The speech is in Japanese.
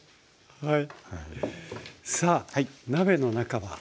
はい。